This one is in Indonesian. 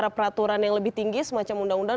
peraturan yang lebih tinggi semacam undang undang